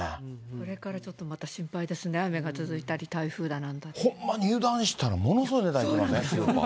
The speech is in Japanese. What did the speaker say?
これからちょっとまた心配ですね、雨が続いたり、ほんまに油断したら、ものすごい値段いきますよね、スーパー。